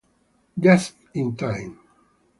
Just in Time